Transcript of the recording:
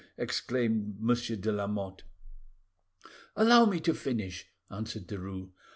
exclaimed Monsieur de Lamotte. "Allow me to finish," answered Derues.